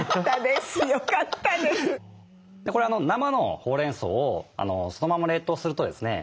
これ生のほうれんそうをそのまま冷凍するとですね